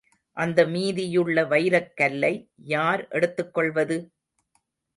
அந்த மீதியுள்ள வைரக்கல்லை யார் எடுத்துக் கொள்வது?